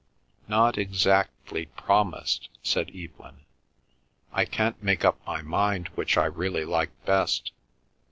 "Not exactly promised," said Evelyn. "I can't make up my mind which I really like best.